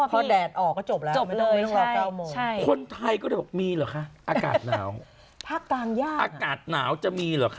ภาคกลางย่าง